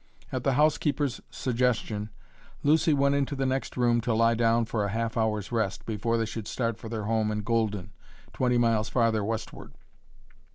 At the housekeeper's suggestion Lucy went into the next room to lie down for a half hour's rest before they should start for their home in Golden, twenty miles farther westward.